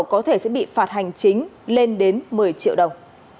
có thể sẽ bị phạt hành chính lên đến một mươi triệu đồng